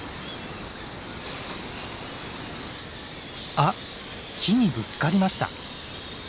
あっ木にぶつかりました。